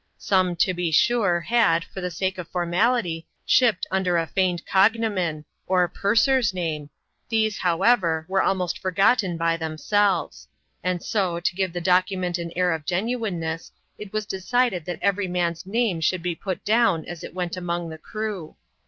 Some, to be sure, had, for the sake of formality, shipped under 1^ feigned cbgnomen, or " Purser's name ;" these^ hovevec, were aliDost forgotten by themselves ; an^ »o, \^^^^^^ 76 ADVENTURES IN THE SOUTH SEA& [chap. xx. document an air of genuineness, it was decided that eveiy man's name should be put down as it went among the crew.